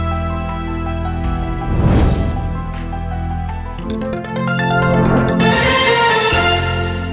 จะได้โบนัสกลับไปบ้าน